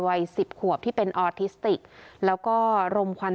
วัยสิบขวบที่เป็นออทิสติกแล้วก็ลมควัน